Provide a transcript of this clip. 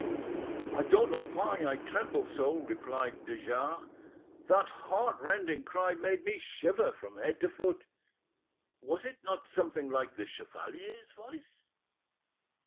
"I don't know why I tremble so," replied de Jars; "that heart rending cry made me shiver from head to foot. Was it not something like the chevalier's voice?"